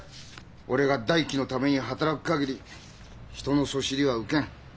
俺が大樹のために働くかぎり人のそしりは受けん。